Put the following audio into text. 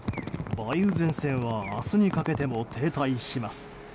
梅雨前線は明日にかけても停滞します。